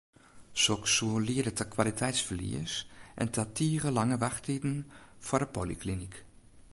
Soks soe liede ta kwaliteitsferlies en ta tige lange wachttiden foar de polyklinyk.